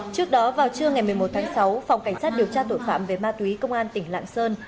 trước đó vào trưa ngày một mươi một tháng sáu phòng cảnh sát điều tra tội phạm về ma túy công an tỉnh lạng sơn